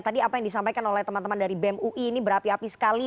tadi apa yang disampaikan oleh teman teman dari bem ui ini berapi api sekali